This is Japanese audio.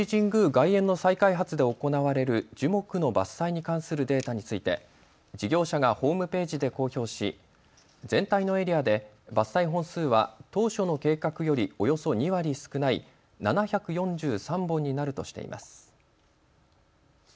外苑の再開発で行われる樹木の伐採に関するデータについて事業者がホームページで公表し、全体のエリアで伐採本数は当初の計画よりおよそ２割少ない７４３本になるとしています。